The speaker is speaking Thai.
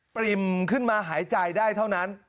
ปริ่มขึ้นมาหายใจได้เท่านั้น